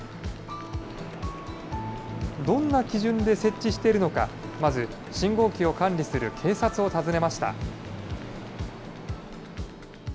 どんな基準で設置しているのか、まず信号機を管理する警察を訪ねました。